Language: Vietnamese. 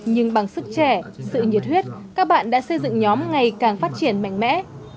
nhưng bằng sức trẻ sự nhiệt huyết các bạn đã xây dựng nhóm ngày càng phát triển mạnh mẽ